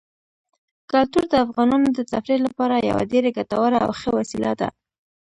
کلتور د افغانانو د تفریح لپاره یوه ډېره ګټوره او ښه وسیله ده.